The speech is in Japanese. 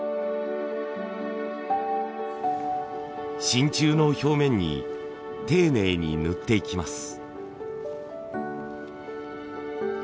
真鍮の表面に丁寧に塗っていきます。